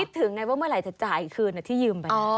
คิดถึงไงว่าเมื่อไหร่จะจ่ายอีกคืนน่ะที่ยืมไป